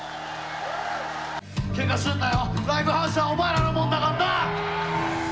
けがすんなよ、ライブハウスはお前らのもんだからな。